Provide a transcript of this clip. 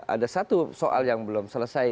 ada satu soal yang belum selesai